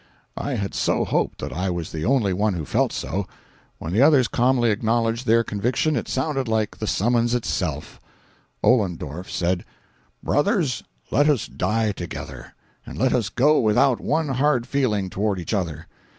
I had so hoped that I was the only one who felt so. When the others calmly acknowledged their conviction, it sounded like the summons itself. Ollendorff said: "Brothers, let us die together. And let us go without one hard feeling towards each other.